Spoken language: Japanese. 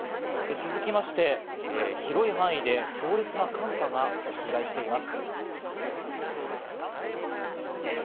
続きまして広い範囲で強烈な寒波が襲来しています。